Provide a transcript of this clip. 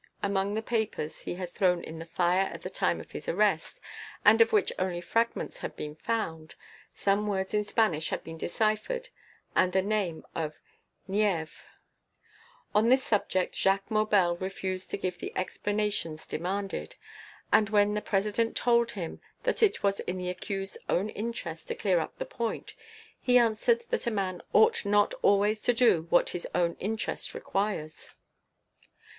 Among the papers he had thrown in the fire at the time of his arrest, and of which only fragments had been found, some words in Spanish had been deciphered and the name of "Nieves." On this subject Jacques Maubel refused to give the explanations demanded; and, when the President told him that it was in the accused's own interest to clear up the point, he answered that a man ought not always to do what his own interest requires.